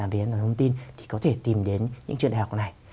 về công nghệ thông tin thì có thể tìm đến những trường đại học này